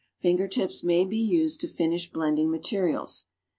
Finger tips may be used to finish blending materials.